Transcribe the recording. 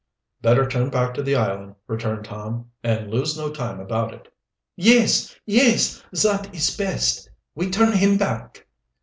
"Better turn back to the island," returned Tom. "And lose no time about it." "Yees! yees! zat ees best. We turn heem back!"